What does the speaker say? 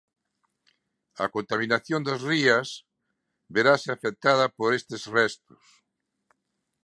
A contaminación das rías verase afectada por estes restos.